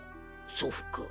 祖父か？